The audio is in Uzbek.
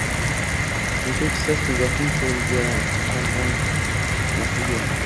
Nechuk soz nigohning sarg’armasligi